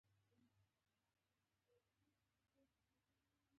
د کونډې سرپرستي د کورنۍ دنده ده.